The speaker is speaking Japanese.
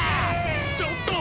ちょっと！